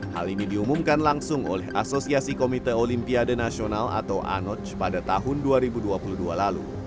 hal ini diumumkan langsung oleh asosiasi komite olimpiade nasional atau anoj pada tahun dua ribu dua puluh dua lalu